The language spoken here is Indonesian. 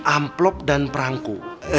amplop dan perangku